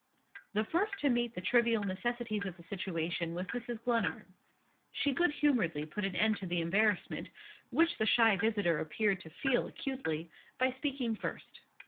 The first to meet the trivial necessities of the situation was Mrs. Glenarm. She good humoredly put an end to the embarrassment which the shy visitor appeared to feel acutely by speaking first.